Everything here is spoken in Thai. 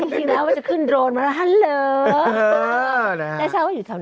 พี่แล้วจะขึ้นโดรนมาแล้วฮัลโหล